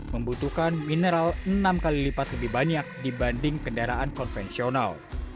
membutuhkan mineral enam kali lipat lebih banyak dibanding kendaraan konvensional